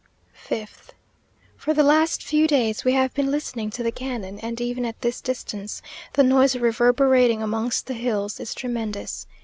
5th. For the last few days, we have been listening to the cannon, and even at this distance, the noise reverberating amongst the hills is tremendous.